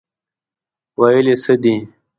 ویل یې څه دي.